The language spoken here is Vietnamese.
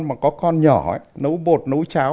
mà có con nhỏ nấu bột nấu cháo